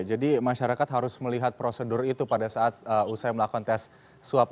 jadi masyarakat harus melihat prosedur itu pada saat usai melakukan tes swab